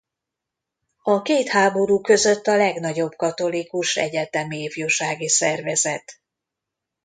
A két háború között a legnagyobb katolikus egyetemi ifjúsági szervezet.